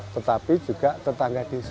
tetapi juga tetangga desa